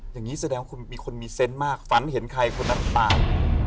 อย่างนี้แสดงว่าคุณมีคนมีเซนต์มากฝันเห็นใครคนนั้นตาย